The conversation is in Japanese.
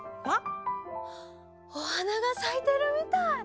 おはながさいてるみたい。